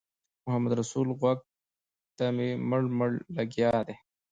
محمدرسول غوږ ته مې مړ مړ لګیا دی.